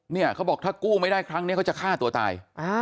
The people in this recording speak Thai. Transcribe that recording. เนี่ยเขาบอกถ้ากู้ไม่ได้ครั้งนี้เขาจะฆ่าตัวตาย